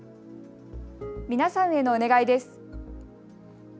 皆さんへのお願いです。